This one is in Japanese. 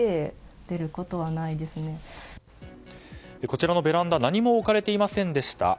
こちらのベランダ何も置かれていませんでした。